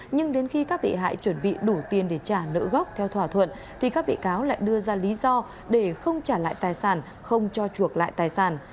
nhưng đến khi các bị hại chuẩn bị đủ tiền để trả nỡ gốc theo thỏa thuận thì các bị cáo lại đưa ra lý do để không trả lại tài sản không cho chuộc lại tài sản